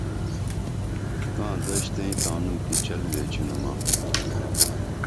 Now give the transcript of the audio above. تاں دشتئیں تانوں کی چل ویچینُمہ